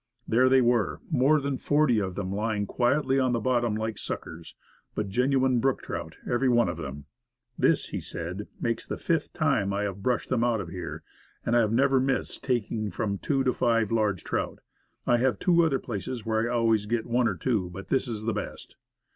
There they were, more than forty of them, lying quietly on the bottom like suckers, but genuine brook trout, every one of them. "This," said he, "makes the fifth time I have brushed them out of here, and I have never missed taking from two to five large trout. I have two other places where I always get one or two, but this is the best."